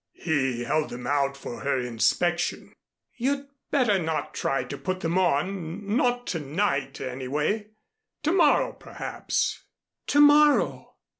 He held them out for her inspection. "You'd better not try to put them on not to night, anyway. To morrow, perhaps " "To morrow!"